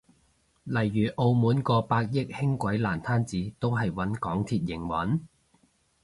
例如澳門個百億輕軌爛攤子都係搵港鐵營運？